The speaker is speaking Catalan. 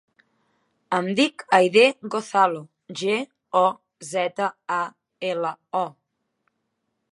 Em dic Aidé Gozalo: ge, o, zeta, a, ela, o.